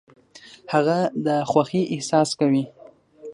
هغه د خوښۍ احساس کوي .